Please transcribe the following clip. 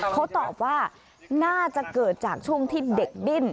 เขาตอบว่าน่าจะเกิดจากช่วงที่เด็กดิ้น